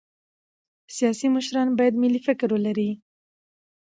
سیاسي مشران باید ملي فکر ولري